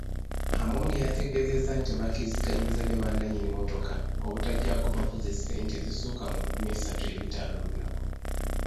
Amongi yategezezza nti bakkiriziganyizza ne bannanyini mmotoka obutajjako bavuzi ssente ezisukka mu nkumi esatu ebitaano olunaku.